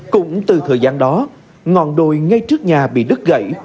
cũng từ thời gian đó ngọn đồi ngay trước nhà bị đứt gãy